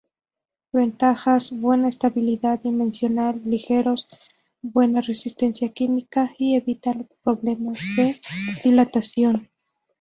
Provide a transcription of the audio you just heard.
Ventajas:Buena estabilidad dimensional, ligeros, buena resistencia química y evita problemas de dilatación.